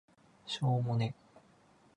しょーもね